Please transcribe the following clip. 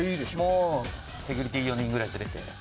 もうセキュリティーを４人くらい連れて。